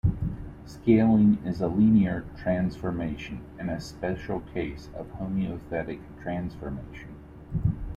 Scaling is a linear transformation, and a special case of homothetic transformation.